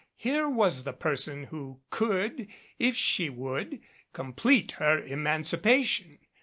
Here was the person who could, if she would, complete her emancipation.